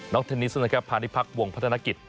เทนนิสนะครับพาณิพักษ์วงพัฒนกิจ